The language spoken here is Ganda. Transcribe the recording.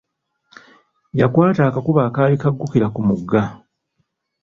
Yakwata akakubo akaali kaggukira ku mugga.